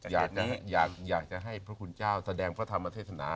อยากจะให้พระคุณเจ้าแสดงพระธรรมเทศนา